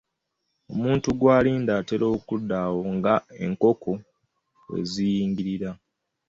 Omuntu gw'alinda atera kudda awo ng'enkoko we ziyingirira.